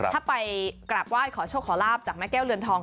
ถ้าไปกราบไหว้ขอโชคขอลาบจากแม่แก้วเรือนทอง